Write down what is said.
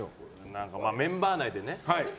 何か、メンバー内でね。